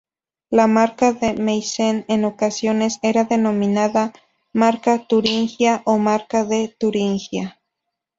La Marca de Meissen en ocasiones era denominada Marca Turingia o Marca de Turingia.